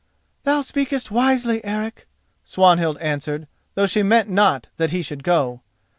"Thou speakest wisely, Eric," Swanhild answered, though she meant not that he should go.